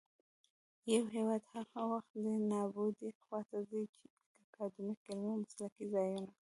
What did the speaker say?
يـو هـېواد هغـه وخـت دې نـابـودۍ خـواته ځـي ،چـې اکـادميـک، عـلمـي او مـسلـکي ځـايـونــه